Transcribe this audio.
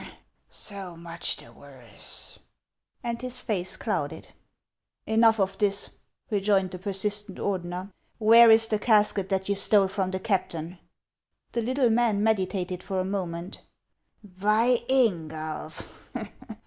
" So much the worse !" and his face clouded. 324 HANS OF ICELAND. " Enough of this," rejoined the persistent Ordener ;" where is the casket that you stole from the captain \" The little man meditated for a moment. " By Ingulf